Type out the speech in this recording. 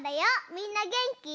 みんなげんき？